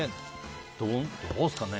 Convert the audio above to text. どうですかね？